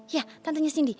ya tantenya sindi